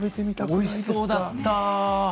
おいしそうだった。